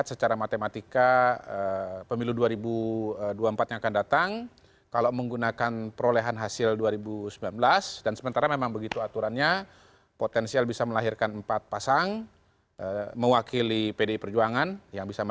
termasuk anies baswedan